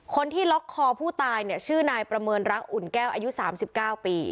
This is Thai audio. คนที่ล็อกคอผู้ตายเนี่ยชื่อนายประเมินรักอุ่นแก้วอายุ๓๙ปี